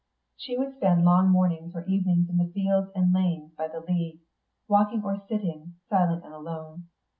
She would spend long mornings or evenings in the fields and lanes by the Lea, walking or sitting, silent and alone.